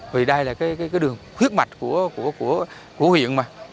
vì đây là cái đường huyết mạch của huyện mà